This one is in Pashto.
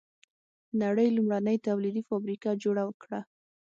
د نړۍ لومړنۍ تولیدي فابریکه جوړه کړه.